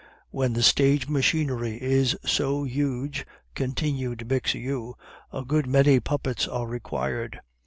"When the stage machinery is so huge," continued Bixiou, "a good many puppets are required.